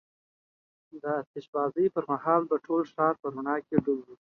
د آتش بازۍ پر مهال به ټول ښار په رڼا کې ډوب و.